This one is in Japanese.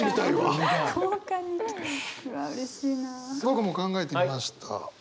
僕も考えてみました。